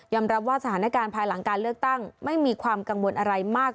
รับว่าสถานการณ์ภายหลังการเลือกตั้งไม่มีความกังวลอะไรมาก